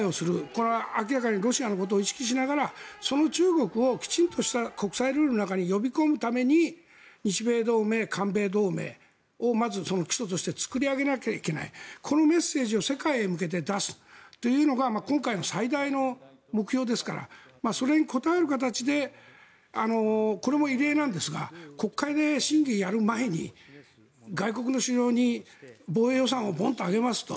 これは明らかにロシアのことを意識しながら、その中国をきちんとした国際ルールの中に呼び込むために日米同盟、韓米同盟をまず基礎として作り上げなきゃいけないこのメッセージを世界へ向けて出すというのが今回の最大の目標ですからそれに応える形でこれも異例なんですが国会で審議をやる前に外国の首脳に防衛予算をボンとあげますと。